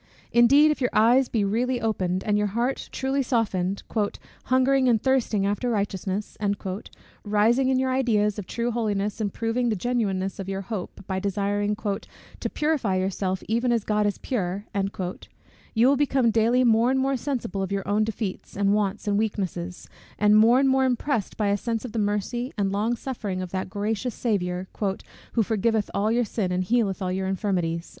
Indeed, if your eyes be really opened, and your heart truly softened, "hungering and thirsting after righteousness," rising in your ideas of true holiness, and proving the genuineness of your hope by desiring "to purify yourself even as God is pure;" you will become daily more and more sensible of your own defeats, and wants, and weaknesses; and more and more impressed by a sense of the mercy and long suffering of that gracious Saviour, "who forgiveth all your sin, and healeth all your infirmities."